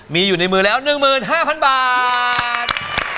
มีอยู่ในมือแล้ว๑๕๐๐๐บาท